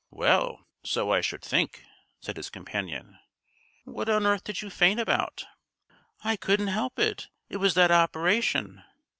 "Well, so I should think," said his companion. "What on earth did you faint about?" "I couldn't help it. It was that operation."